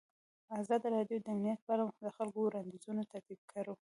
ازادي راډیو د امنیت په اړه د خلکو وړاندیزونه ترتیب کړي.